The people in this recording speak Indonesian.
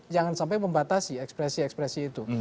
jangan sampai membatasi ekspresi ekspresi itu